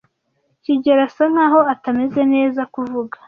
kigeli asa nkaho atameze neza kuvuga.